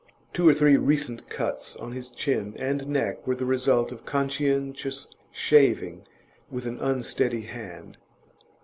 Two or three recent cuts on his chin and neck were the result of conscientious shaving with an unsteady hand.